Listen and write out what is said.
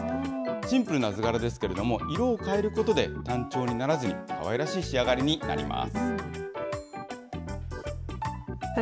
シンプルな図柄ですけれども、色を変えることで、単調にならずに、かわいらしい仕上がりになります。